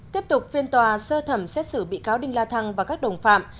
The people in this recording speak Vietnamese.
tiếp tục phiên tòa sơ thẩm xét xử bị cáo đinh la thăng và các đồng phạm